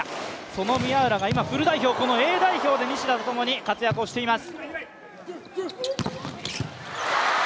その宮浦が今、フル代表、Ａ代表で西田とともに活躍をしています。